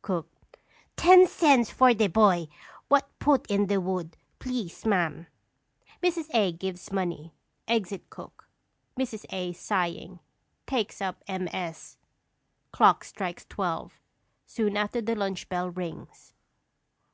_ Cook. Ten cents for de boy what put in de wood, please, ma'am! [_Mrs. A. gives money; exit cook. Mrs. A., sighing, takes up MS. Clock strikes twelve; soon after the lunch bell rings.